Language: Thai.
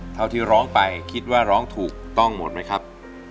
ที่ร้องไปคิดว่าร้องถูกต้องหมดไหมครับ